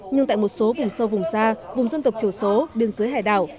nhưng tại một số vùng sâu vùng xa vùng dân tộc thiểu số biên giới hải đảo